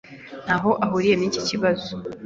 Ntaho ahuriye niki kibazo.